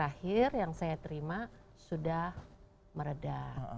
saat kondisi terakhir yang saya terima sudah meredah